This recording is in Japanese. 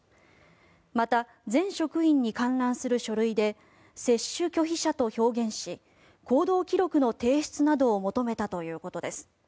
また、全職員に観覧する書類で接種拒否者と表現し行動記録の提出などを求めたということです。